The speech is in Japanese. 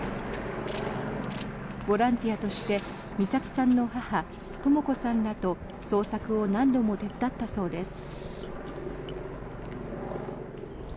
ボランティアとして美咲さんの母・とも子さんらと捜索を何度も手伝ったそうです。